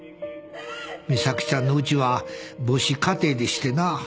美咲ちゃんのうちは母子家庭でしてな。